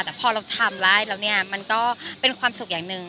แต่พอเราทำได้แล้วเนี่ยมันก็เป็นความสุขอย่างหนึ่ง